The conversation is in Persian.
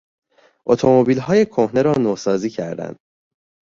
اتومبیلهای کهنه را نوسازی کردن